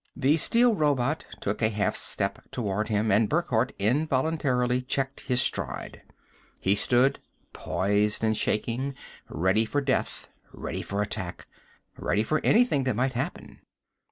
The steel robot took a half step toward him, and Burckhardt involuntarily checked his stride. He stood poised and shaking, ready for death, ready for attack, ready for anything that might happen.